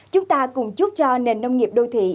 chúng ta cùng chúc cho nền nông nghiệp đô thị